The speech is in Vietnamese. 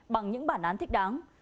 bằng những bản án thích đáng